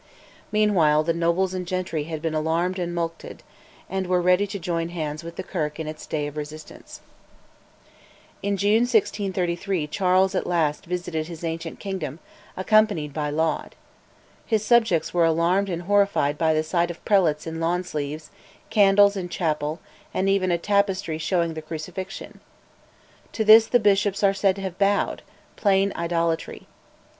Meanwhile the nobles and gentry had been alarmed and mulcted, and were ready to join hands with the Kirk in its day of resistance. In June 1633 Charles at last visited his ancient kingdom, accompanied by Laud. His subjects were alarmed and horrified by the sight of prelates in lawn sleeves, candles in chapel, and even a tapestry showing the crucifixion. To this the bishops are said to have bowed, plain idolatry.